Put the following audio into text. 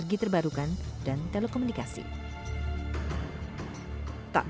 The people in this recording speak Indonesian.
dan perlindungan sosial